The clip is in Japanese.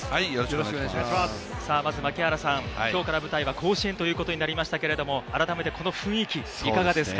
まず槙原さん、今日から舞台は甲子園ということになりましたけれども改めてこの雰囲気いかがですか？